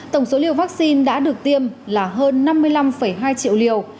tổng số liều vaccine đã được tiêm là hơn năm mươi năm hai triệu liều